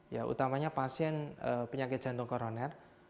ya utamanya pasien penyakit jantung koroner